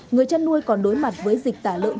người chăn nuôi còn đối mặt với dịch tả lợn